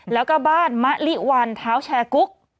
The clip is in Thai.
แล้วก็บ้านมะลิวันเท้าแชร์กุ๊ก